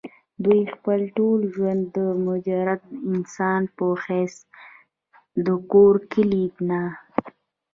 دوي خپل ټول ژوند د مجرد انسان پۀ حېث د کور کلي نه